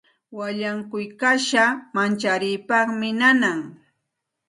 Wallankuy kasha mancharipaqmi nanan.